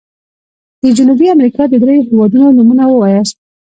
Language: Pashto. د جنوبي امريکا د دریو هيوادونو نومونه ووایاست.